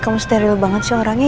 kamu steril banget sih orangnya